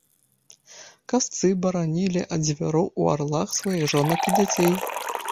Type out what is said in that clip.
Касцы баранілі ад звяроў у арлах сваіх жанок і дзяцей.